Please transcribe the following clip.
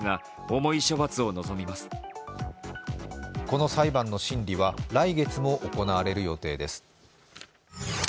この裁判の審理は来月も行われる予定です。